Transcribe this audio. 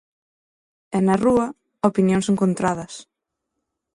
E na rúa, opinións encontradas.